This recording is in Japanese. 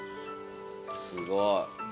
すごい。